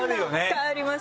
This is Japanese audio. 変わります。